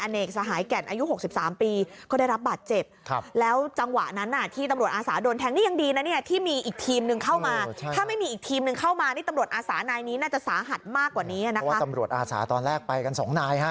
นายนี้น่าจะสาหัสมากกว่านี้อ่ะนะคะเพราะว่าตำรวจอาสาตอนแรกไปกันสองนายฮะ